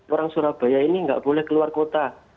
orang surabaya ini nggak boleh keluar kota